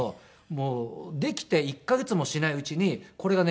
もうできて１カ月もしないうちにこれがね